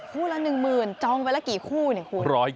ละ๑๐๐๐จองไปละกี่คู่เนี่ยคุณ